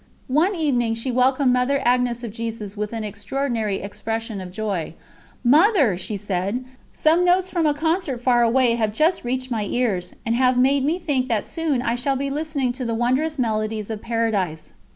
"_ One evening, she welcomed Mother Agnes of Jesus with an extraordinary expression of joy: "Mother!" she said, "some notes from a concert far away have just reached my ears, and have made me think that soon I shall be listening to the wondrous melodies of Paradise.